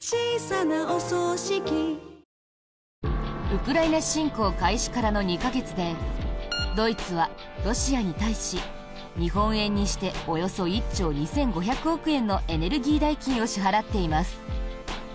ウクライナ侵攻開始からの２か月で、ドイツはロシアに対し日本円にしておよそ１兆２５００億円のエネルギー代金を支払っています。